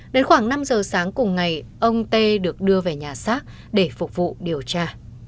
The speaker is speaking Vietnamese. đến khoảng năm giờ sáng cùng ngày ông tê được đưa về nhà xác để phục vụ điều tra